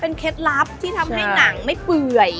เคล็ดลับที่ทำให้หนังไม่เปื่อย